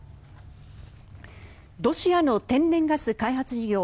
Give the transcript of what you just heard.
ロシアの天然ガス開発事業